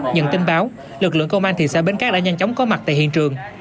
nhận tin báo lực lượng công an thị xã bến cát đã nhanh chóng có mặt tại hiện trường